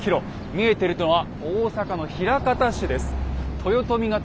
見えてるのは大阪の枚方市です。